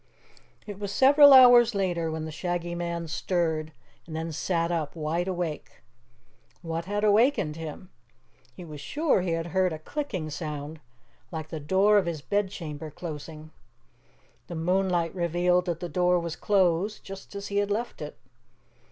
It was several hours later when the Shaggy Man stirred, and then sat up, wide awake. What had awakened him? He was sure he had heard a clicking sound like the door of his bedchamber closing. The moonlight revealed that the door was closed just as he had left it.